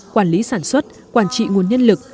quản lý sản xuất quản trị nguồn nhân lực